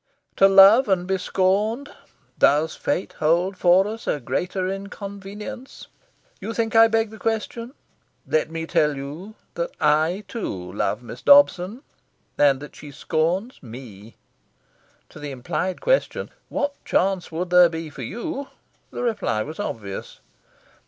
To love and be scorned does Fate hold for us a greater inconvenience? You think I beg the question? Let me tell you that I, too, love Miss Dobson, and that she scorns me." To the implied question "What chance would there be for you?" the reply was obvious.